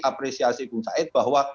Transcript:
apresiasi bung said bahwa